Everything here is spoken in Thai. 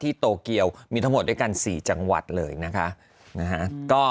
โตเกียวมีทั้งหมดด้วยกัน๔จังหวัดเลยนะคะ